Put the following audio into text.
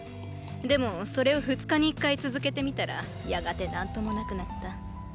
でもそれを二日に一回続けてみたらやがて何ともなくなった。